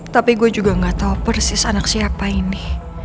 tapi gue juga gak tahu persis anak siapa ini